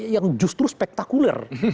yang justru spektakuler